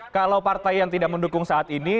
kalau partai yang tidak mendukung saat ini